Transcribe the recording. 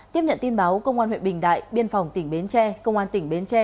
tiếp nhận tin báo công an huyện bình đại biên phòng tỉnh bến tre công an tỉnh bến tre